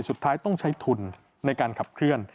สุดท้ายต้องใช้ทุนในการขับเคลื่อน